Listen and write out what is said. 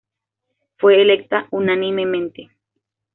Fue electa unánimemente.